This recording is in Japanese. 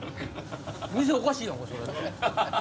店おかしいやんかそれやったら。